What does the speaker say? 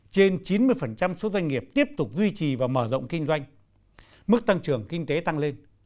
trên chín mươi số doanh nghiệp tiếp tục duy trì và mở rộng kinh doanh mức tăng trưởng kinh tế tăng lên